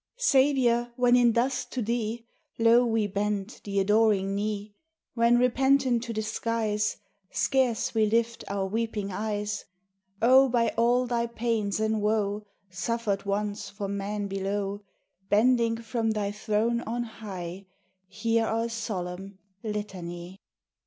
Saviour, when in dust to Thee Low we bend the adoring knee; When, repentant, to the skies Scarce we lift our weeping eyes, O, by all Thy pains and woe Suffered once for man below, Bending from Thy throne on high, Hear our solemn litany!